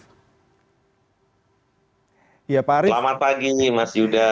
selamat pagi mas yudha